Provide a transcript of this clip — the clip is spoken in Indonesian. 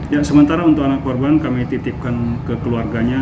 ya sementara untuk anak korban kami titipkan ke keluarganya